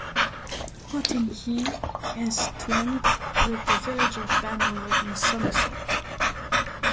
Potigny is twinned with the village of Banwell in Somerset.